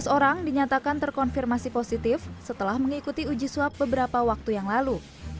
tujuh belas orang dinyatakan terkonfirmasi positif setelah mengikuti uji swab beberapa waktu yang lalu